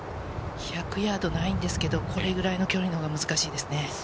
１００ヤードないんですけれど、これくらいの距離のほうが難しいですね。